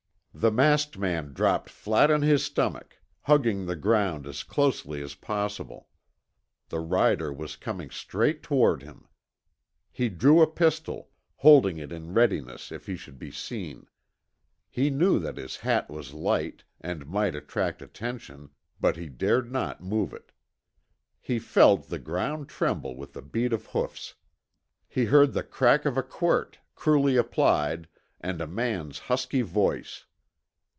The masked man dropped flat on his stomach, hugging the ground as closely as possible. The rider was coming straight toward him. He drew a pistol, holding it in readiness if he should be seen. He knew that his hat was light, and might attract attention, but he dared not move it. He felt the ground tremble with the beat of hoofs. He heard the crack of a quirt, cruelly applied, and a man's husky voice.